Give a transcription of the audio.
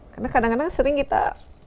karena kadang kadang sering kita